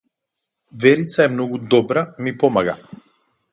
Верица е многу добра ми помага.